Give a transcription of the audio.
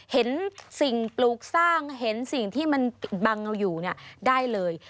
เห็นสิ่งปลูกสร้างเห็นสิ่งที่มันบังเอาอยู่ได้เลย